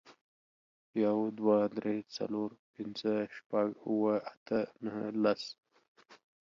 يو، دوه، درې، څلور، پينځه، شپږ، اووه، اته، نهه، لس